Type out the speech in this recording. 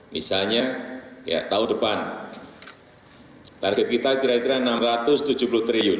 misalnya tahun depan target kita kira kira rp enam ratus tujuh puluh triliun